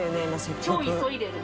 超急いでる人？」